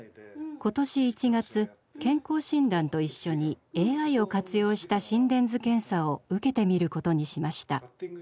今年１月健康診断と一緒にＡＩを活用した心電図検査を受けてみることにしました。